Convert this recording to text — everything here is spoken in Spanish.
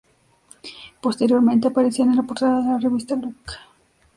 Posteriormente aparecería en la portada de la revista" Look".